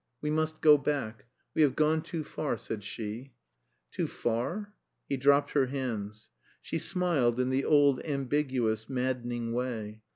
We must go back. We have gone too far," said she. "Too far?" He dropped her hands. She smiled in the old ambiguous, maddening way.